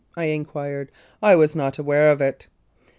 " I inquired. " I was not aware of it."